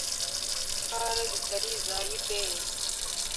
ntara zitari iza yudeya